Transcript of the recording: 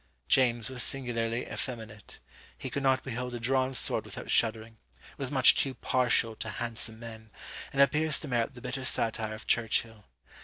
James was singularly effeminate; he could not behold a drawn sword without shuddering; was much too partial to handsome men; and appears to merit the bitter satire of Churchill.